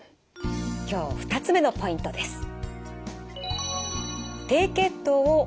今日２つ目のポイントです。